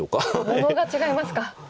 物が違いますか。